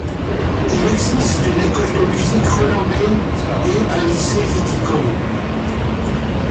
Il existe une école de musique renommée et un lycée viticole.